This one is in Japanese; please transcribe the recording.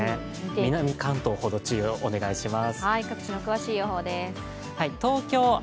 南関東ほど注意をお願いします。